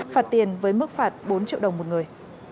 phạt tiền với mức phạt bốn triệu đồng một người